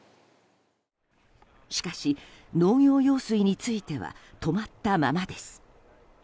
しかし、農業用水については止まったままです。